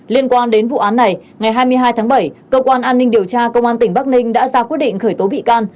liên quan đến vụ án này ngày hai mươi hai tháng bảy cơ quan an ninh điều tra công an tỉnh bắc ninh đã ra quyết định khởi tố bị can